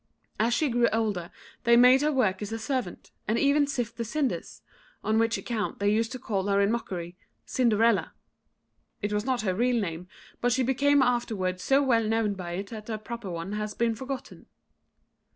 As she grew older they made her work as a servant, and even sift the cinders; on which account they used to call her in mockery "Cinderella." It was not her real name, but she became afterwards so well known by it that her proper one has been forgotten.